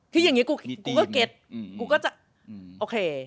ที่อย่างงี้กูก็เก็ต